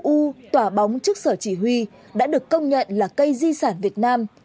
riêng với đảo sinh tồn cây mù u tòa bóng trước sở chỉ huy đã được công nhận là cây di sản việt nam